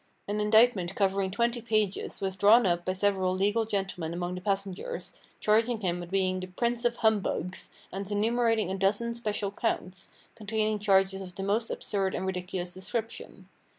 An indictment covering twenty pages was drawn up by several legal gentlemen among the passengers, charging him with being the Prince of Humbugs, and enumerating a dozen special counts, containing charges of the most absurd and ridiculous description.